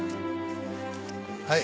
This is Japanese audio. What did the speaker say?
はい。